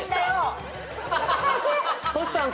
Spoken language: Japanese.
トシさん